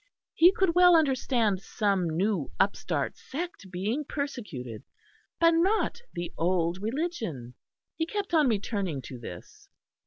He could well understand some new upstart sect being persecuted, but not the old Religion. He kept on returning to this.